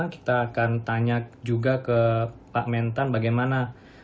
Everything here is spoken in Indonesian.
kita akan tanya juga ke pak mentan bagaimana